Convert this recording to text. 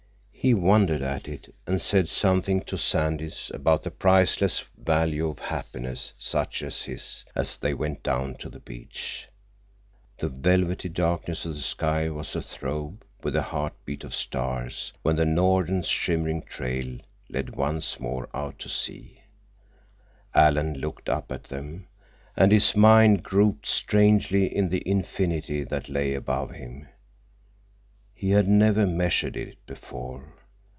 He wondered at it and said something to Sandy about the priceless value of a happiness such as his, as they went down to the beach. The velvety darkness of the sky was athrob with the heart beat of stars, when the Norden's shimmering trail led once more out to sea. Alan looked up at them, and his mind groped strangely in the infinity that lay above him. He had never measured it before.